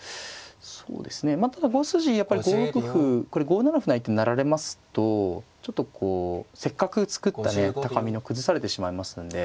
そうですねまあただ５筋やっぱり５六歩これ５七歩成と成られますとちょっとこうせっかく作ったね高美濃崩されてしまいますんで。